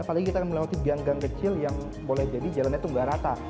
apalagi kita akan melewati gang gang kecil yang boleh jadi jalannya itu nggak rata